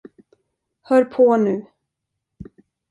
Hör på nu.